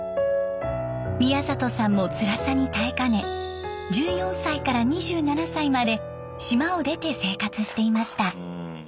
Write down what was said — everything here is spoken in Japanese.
宮里さんもつらさに耐えかね１４歳から２７歳まで島を出て生活していました。